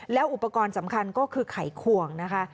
แล้วอุปกรณ์สำคัญก็คือไขควงนะคะ